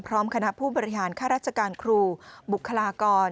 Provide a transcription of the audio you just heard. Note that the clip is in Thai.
พร้อมคณะผู้บริหารค่าราชการครูบุคลากร